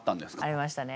ありましたね。